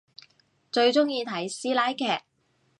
最中意睇師奶劇